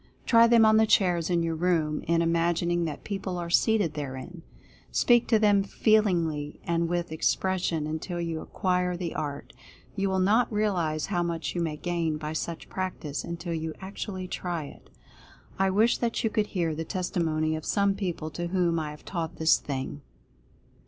Try them on the chairs in your room, in imagining that people are seated therein; speak to Direct Personal Influence 213 them feelingly and with expression, until you acquire the art. You will not realize how much you may gain by such practice, until you actually try it. I wish that you could hear the testimony of some people to whom I have taught this thing.